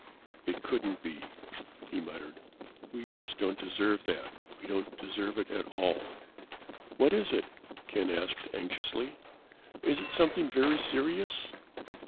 "It couldn't be," he muttered. "We just don't deserve that. We don't deserve it at all." "What is it?" Ken asked anxiously. "Is it something very serious?"